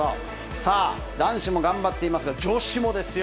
さあ、男子も頑張っていますが、女子もですよ。